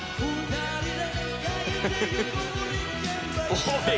「おい！